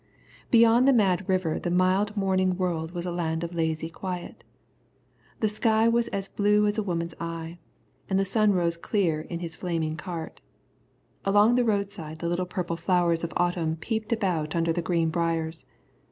Beyond the mad river the mild morning world was a land of lazy quiet. The sky was as blue as a woman's eye, and the sun rose clear in his flaming cart. Along the roadside the little purple flowers of autumn peeped about under the green briers.